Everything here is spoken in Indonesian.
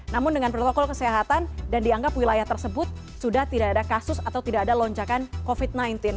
namun dengan protokol kesehatan dan dianggap wilayah tersebut sudah tidak ada kasus atau tidak ada lonjakan covid sembilan belas